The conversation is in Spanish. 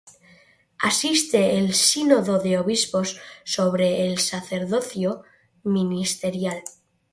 Asiste al Sínodo de Obispos sobre el Sacerdocio Ministerial.